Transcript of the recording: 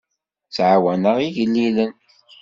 Ttɛawaneɣ igellilen.